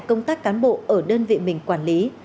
công tác cán bộ ở đơn vị mình quản lý